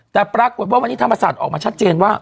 แต่ปรากฏว่าวันนี้ธรรมศาสตร์ออกมาชัดเจนว่า